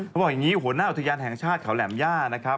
เขาบอกอย่างนี้หัวหน้าอุทยานแห่งชาติเขาแหลมย่านะครับ